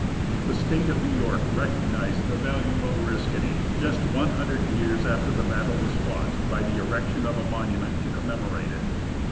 The State of New York recognized the value of Oriscany just one hundred years after the battle was fought, by the erection of a monument to commemorate it.